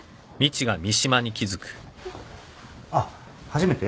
あっ初めて？